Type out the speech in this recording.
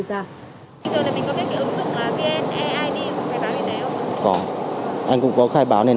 bây giờ là mình có biết cái ứng dụng vniid của khai báo y tế không